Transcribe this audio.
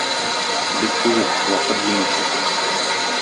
Без түгел, вакыт җиңүче.